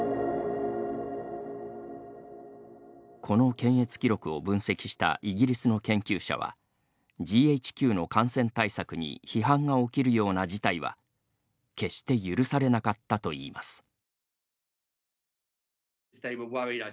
この検閲記録を分析したイギリスの研究者はＧＨＱの感染対策に批判が起きるような事態は決して許されなかったといいます。